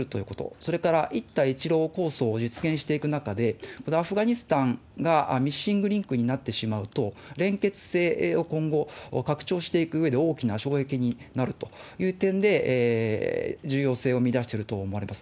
それから一帯一路構想を実現していく中で、またアフガニスタンがミッシングリンクになってしまうと、連結性を今後、拡張していくうえで大きな障壁になるという点で、非常に大きな重要性を見いだしていると思われます。